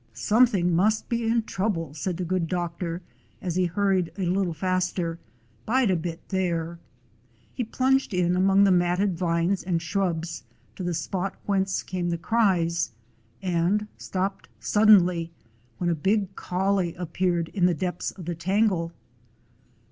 "Something must be in trouble," said the good doctor, as he hurried a little faster. "Bide a bit, there!" He plunged in among the matted vines and shrubs to the spot whence came the cries, and stopped suddenly, when a big collie appeared in the depths of the tangle.